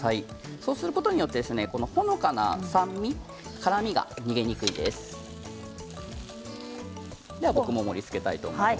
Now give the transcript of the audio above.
そうすることによってほのかな酸味、辛みが逃げにくくなります。